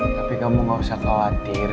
tapi kamu gausah khawatir